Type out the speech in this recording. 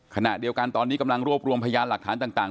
ขณะเดียวกันตอนนี้กำลังรวบรวมพยานหลักฐานต่าง